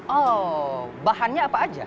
oh bahannya apa aja